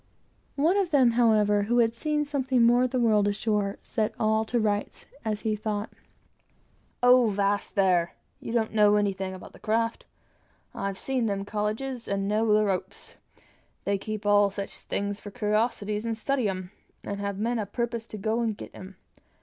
One of them, however, an old salt, who had seen something more of the world ashore, set all to rights, as he thought, "Oh, 'vast there! You don't know anything about them craft. I've seen them colleges, and know the ropes. They keep all such things for cur'osities, and study 'em, and have men a' purpose to go and get 'em.